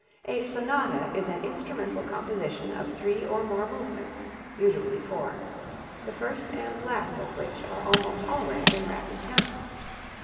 A sonata is an instrumental composition of three or more movements (usually four), the first and last of which are almost always in rapid tempo.